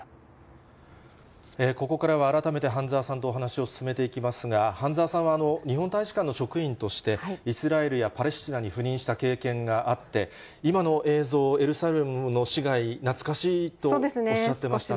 ここからは、改めて榛澤さんとお話を進めていきますが、榛澤さんは日本大使館の職員として、イスラエルやパレスチナに赴任した経験があって、今の映像、エルサレムの市街、懐かしいとおっしゃってましたね。